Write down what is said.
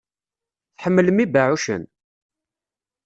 Tḥemmlem ibeɛɛucen?